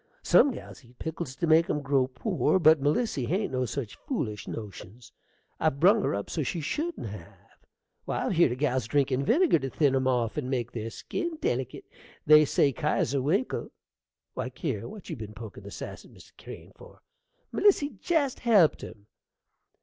Some gals eat pickles to make 'em grow poor, but Melissy hain't no such foolish notions. I've brung her up so she shouldn't have. Why, I've heered of gals drinkin' vinegar to thin 'em off and make their skin delekit. They say Kesier Winkle Why, Kier, what be you pokin' the sass at Mr. Crane for? Melissy jest helped him.